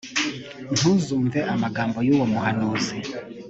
ntuzumve amagambo y’uwo muhanuzi